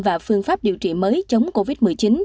và phương pháp điều trị mới chống covid một mươi chín